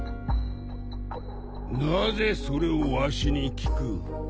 なぜそれをわしに聞く？